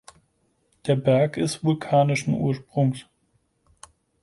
Der Berg ist vulkanischen Ursprungs.